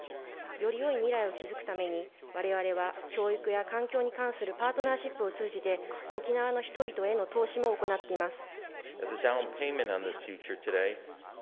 より良い未来を築くために我々は教育や環境に関するパートナーシップを通じて沖縄の人々への投資も行っています。